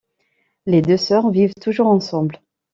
Les deux sœurs vivent toujours ensemble.